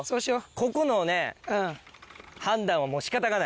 ここのね判断はもう仕方がない。